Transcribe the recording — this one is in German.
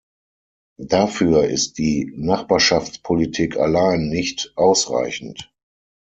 Dafür ist die Nachbarschaftspolitik allein nicht ausreichend.